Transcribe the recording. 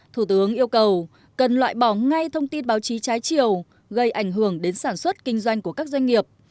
thủ tướng yêu cầu cần loại bỏ ngay thông tin báo chí trái chiều gây ảnh hưởng đến sản xuất kinh doanh của các doanh nghiệp